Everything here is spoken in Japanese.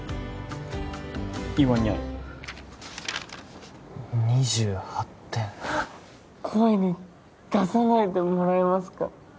言わにゃい２８点声に出さないでもらえますか